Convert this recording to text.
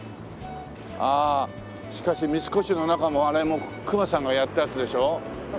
ああしかし三越の中もあれも隈さんがやったやつでしょ？